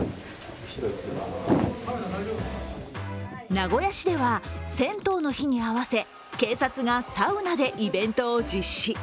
名古屋市では、銭湯の日に合わせ、警察がサウナでイベントを実施。